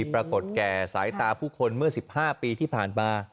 ปรากฏแก่สายตาผู้คนเมื่อ๑๕ปีที่ผ่านมา